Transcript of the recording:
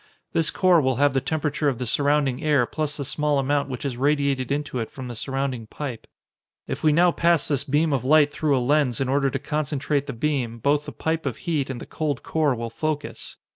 This core will have the temperature of the surrounding air plus the small amount which has radiated into it from the surrounding pipe. If we now pass this beam of light through a lens in order to concentrate the beam, both the pipe of heat and the cold core will focus.